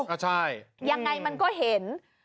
ก็ใช่ยังไงมันก็เห็น